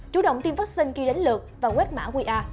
chú động tiêm vaccine khi đến lượt và quét mã qr